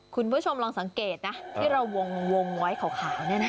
คุณผู้ชมลองสังเกตนะที่เราวงไว้ขาว